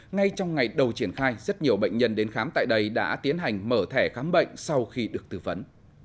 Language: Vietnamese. ngay trong ngày đầu triển khai rất nhiều bệnh nhân đến khám tại đây đã tiến hành mở thẻ khám bệnh sau khi được tư vấn